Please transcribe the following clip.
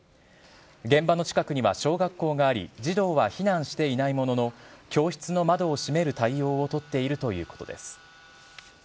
現場の近くには小学校があり、児童は避難していないものの、教室の窓を閉める対応を取っているということです。